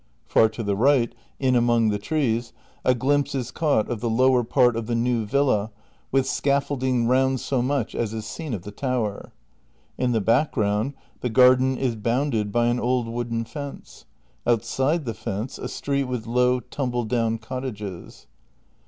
Far to the right, in among the trees, a glimpse is caught of the lower part of the new villa, with scaffolding round so much as is seen of the tower. In the background the garden is bounded by an old wooden fence. Outside the fence, a street with low, tumble doion cottages.